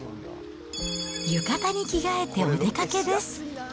浴衣に着替えてお出かけです。